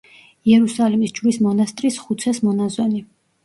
იერუსალიმის ჯვრის მონასტრის ხუცესმონაზონი.